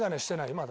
まだ。